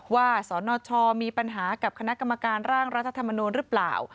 สนชมีปัญหากับคณะกรรมการร่างรัฐธรรมนูลหรือเปล่า